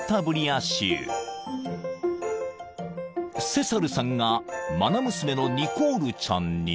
［セサルさんが愛娘のニコールちゃんに］